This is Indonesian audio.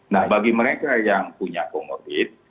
nah bagi mereka yang punya comorbid